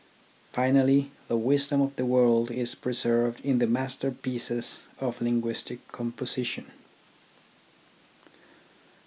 Finally, the wisdom of the world is preserved in the masterpieces of linguistic composition.